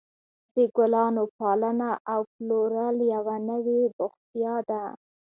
د ګلانو پالنه او پلورل یوه نوې بوختیا ده.